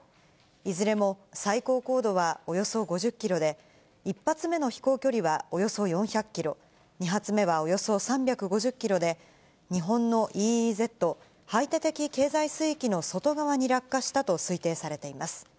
いずれも最高高度はおよそ５０キロで、１発目の飛行距離はおよそ４００キロ、２発目はおよそ３５０キロで、日本のＥＥＺ・排他的経済水域の外側に落下したと推定されています。